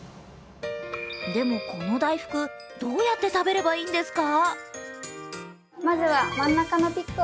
でもこの大福どうやって食べればいいんですか？